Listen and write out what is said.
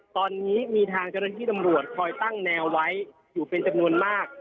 ตอนนี้มีทางเจ้าหน้าที่ตำรวจคอยตั้งแนวไว้อยู่เป็นจำนวนมาก